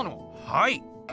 はい。